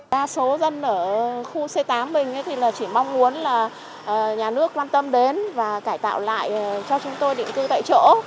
đa số dân ở khu c tám mình thì chỉ mong muốn là nhà nước quan tâm đến và cải tạo lại cho chúng tôi định cư tại chỗ